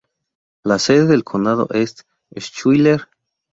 La sede del condado es Schuyler.